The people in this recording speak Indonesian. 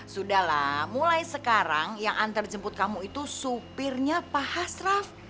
sudahlah mulai sekarang yang antar jemput kamu itu supirnya pak hasraf